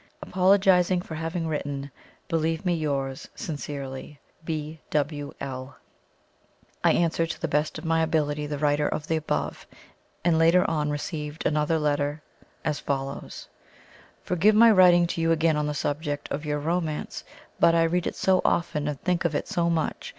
Apologizing for having written, believe me yours sincerely, "B. W. L." [I answered to the best of my ability the writer of the above, and later on received another letter as follows:] "Forgive my writing to you again on the subject of your 'Romance,' but I read it so often and think of it so much.